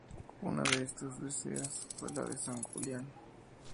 Una de estas dehesas fue la de San Julián.